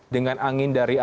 dengan angin dari arah jawa